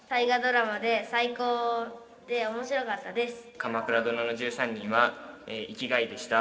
「鎌倉殿の１３人」は生きがいでした。